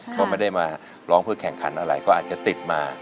ก็ไม่ได้มาร้องเพื่อแข่งขันอะไรก็อาจจะติดมา